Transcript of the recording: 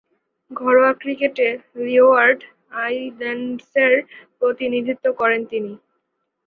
ঘরোয়া ক্রিকেটে লিওয়ার্ড আইল্যান্ডসের প্রতিনিধিত্ব করেন তিনি।